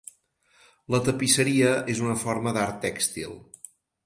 La tapisseria és una forma d'art tèxtil.